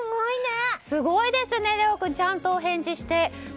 すごいですね、レオ君。ちゃんとお返事して。